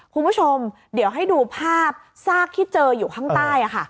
คุณผู้ชมเดี๋ยวให้ดูภาพซากที่เจออยู่ข้างใต้